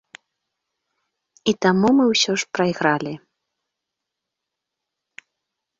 І таму мы ўсё ж прайгралі.